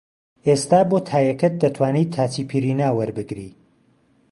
ئێستا بۆ تایەکەت دەتوانی تاچیپیرینا وەربگری